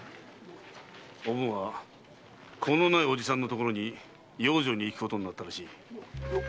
おぶんは子のない伯父さんの家に養女にいくことになったらしい。